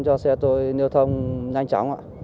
cho xe tôi lưu thông nhanh chóng